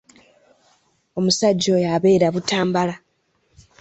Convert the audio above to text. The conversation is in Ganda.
Omusajja oyo abeera Butambala.